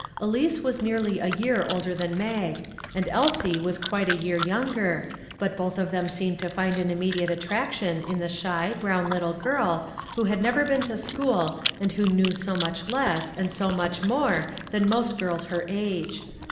Elise was nearly a year older than Mag, and Elsie was quite a year younger, but both of them seemed to find an immediate attraction in the shy, brown little girl who had never been to school and who knew so much less and so much more than most girls of her age.